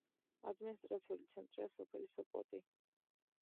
ადმინისტრაციული ცენტრია სოფელი სოპოტი.